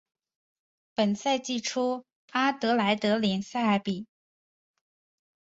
本赛季初阿德莱德联比赛的一大亮点是参加了今年的亚冠联赛。